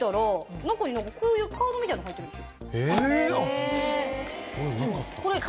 中にこういうカードみたいなの入ってるんですよ。